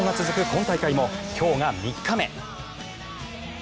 今大会も今日が３日目。